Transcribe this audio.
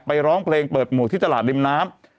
ร้องเพลงเปิดหมวกที่ตลาดริมน้ำ